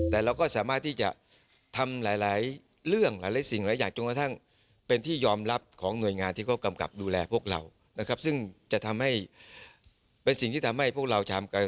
นายชายงยืนยันว่า